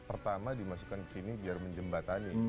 pertama dimasukkan ke sini biar menjembatani